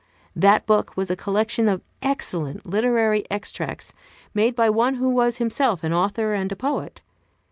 That book was a collection of excellent literary extracts, made by one who was himself an author and a poet.